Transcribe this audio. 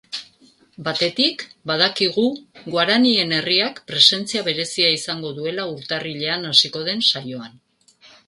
Batetik, badakigu guaranien herriak presentzia berezia izango duela urtarrilean hasiko den saioan.